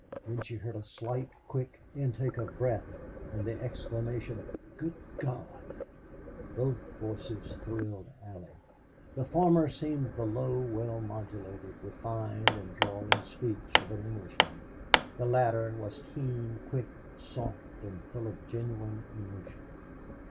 Then she heard a slight, quick intake of breath, and the exclamation, "Good God!" Both voices thrilled Allie. The former seemed the low, well modulated, refined, and drawling speech of an Englishman; the latter was keen, quick, soft, and full of genuine emotion.